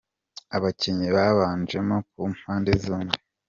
Abakinnyi babanjemo ku mpande zombi :